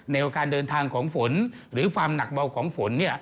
การเดินทางของฝนหรือความหนักเบาของฝน